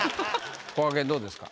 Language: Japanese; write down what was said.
こがけんどうですか？